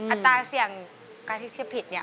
อันตราเสี่ยงการทิ้งเสียผิดนี่